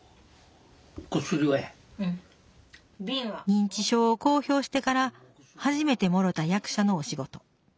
認知症を公表してから初めてもろた役者のお仕事。